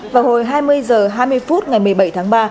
vào hồi hai mươi h hai mươi phút ngày một mươi bảy tháng ba